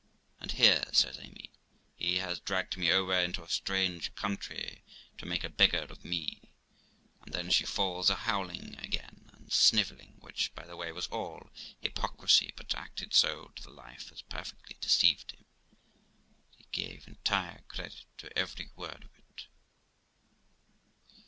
And here ', says Amy, ' he has dragged me over into a strange country to make a beggar of me'; and then she falls a howling again, and snivelling, which, by the way, was all hypocrisy, but acted so to the life as perfectly deceived him, and he gave entire credit to every word of it.